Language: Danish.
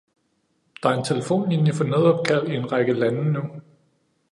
Der er en telefonlinje for nødopkald i en række lande nu.